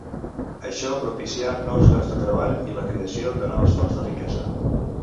Això propicià nous llocs de treball i la creació de noves fonts de riquesa.